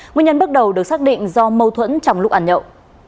nguyên nhân bước đầu được xác định do mâu thuẫn trong lúc ăn nhậu